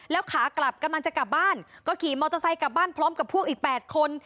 แล้วขากลับกำลังจะกลับบ้านก็ขี่มอเตอร์ไซค์กลับบ้านพร้อมกับพวกอีก๘คน